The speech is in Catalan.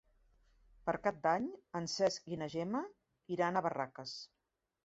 Per Cap d'Any en Cesc i na Gemma iran a Barraques.